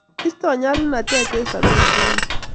Istoi nyalulnate eng' sobet robinik